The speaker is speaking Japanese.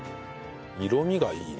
色味がいいね。